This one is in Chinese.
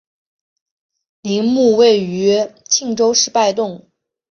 陵墓位于庆州市拜洞。